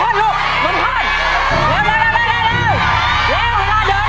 มาหนุ่มปังครับ